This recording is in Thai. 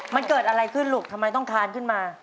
มันเกิดอะไรขึ้นลูกทำไมต้องทานขึ้นมา